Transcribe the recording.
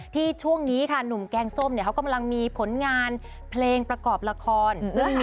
ช่วงนี้ค่ะหนุ่มแกงส้มเนี่ยเขากำลังมีผลงานเพลงประกอบละคร